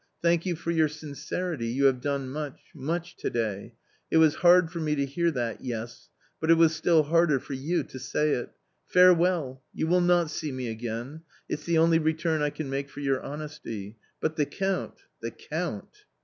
Thank you for your sincerity .... you have done much .... much — to day .... it was hard for me to hear that ' yes,' but it was still harder for you to say it .... Farewell ; you will not see me again ; it's the only return I can make for your honesty .... but the Count, the Count